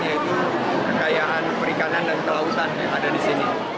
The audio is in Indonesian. yaitu kekayaan perikanan